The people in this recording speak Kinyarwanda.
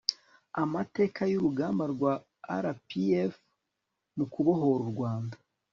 amateka y'urugamba rwa rpf mu kubohora u rwanda